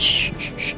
terima kasih ya